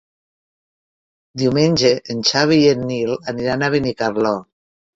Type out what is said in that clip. Diumenge en Xavi i en Nil aniran a Benicarló.